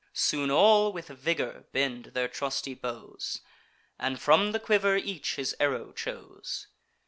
Soon all with vigour bend their trusty bows, And from the quiver each his arrow chose.